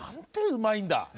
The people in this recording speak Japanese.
うまいんだ！